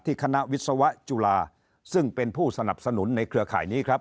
คณะวิศวะจุฬาซึ่งเป็นผู้สนับสนุนในเครือข่ายนี้ครับ